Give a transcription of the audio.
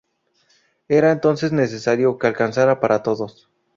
Era entonces necesario que alcanzara para todos.